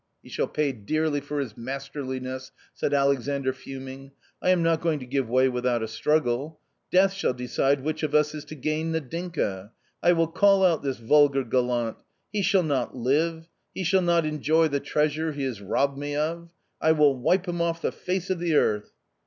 " He shall pay dearly for his masterliness 1 " said Alexandr, fuming. " I am not going to give way without a struggle Death shall decide which of us is to gain Nadinka. I wiU cal l out this v ulgar gallantj he shall not live, he shall noF enjoy the treasure Tie tias^robbed me of. I will wipe him off the face of the earth